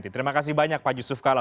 terima kasih banyak pak yusuf kala